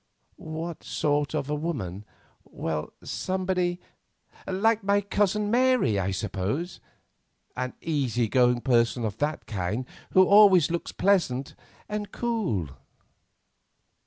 "What sort of a woman? Well, somebody like my cousin Mary, I suppose—an easy going person of that kind, who always looks pleasant and cool."